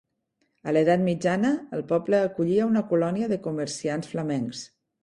A l'Edat Mitjana, el poble acollia una colònia de comerciants flamencs.